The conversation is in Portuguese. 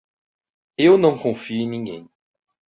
Eu não confio em ninguém.